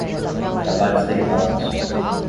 Trabalhos derivados.